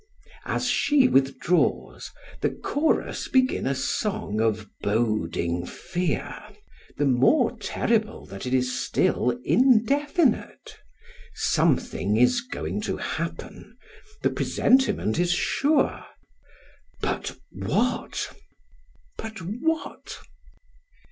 As she withdraws the chorus begin a song of boding fear, the more terrible that it is still indefinite. Something is going to happen the presentiment is sure. But what, but what?